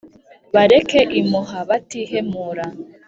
bareke impuha batihemura.